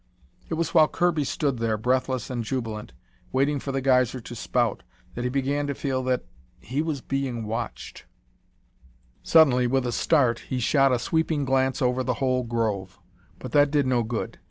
It was while Kirby stood there, breathless and jubilant, waiting for the geyser to spout, that he began to feel that he was being watched. Suddenly, with a start, he shot a sweeping glance over the whole grove. But that did no good.